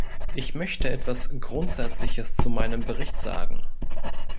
Ich möchte etwas Grundsätzliches zu meinem Bericht sagen.